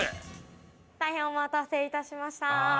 大変お待たせ致しました。